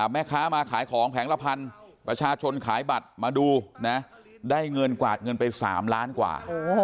แม่ค้ามาขายของแผงละพันประชาชนขายบัตรมาดูนะได้เงินกวาดเงินไป๓ล้านกว่า